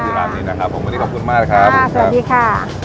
ร้านนี้นะครับผมวันนี้ขอบคุณมากครับสวัสดีค่ะ